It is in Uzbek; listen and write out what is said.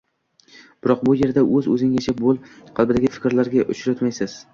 Biroq bu yerda “o‘z-o‘zingcha bo‘l” qabilidagi fikrlarni uchratmaysiz